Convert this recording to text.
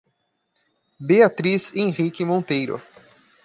Beatriz Henrique Monteiro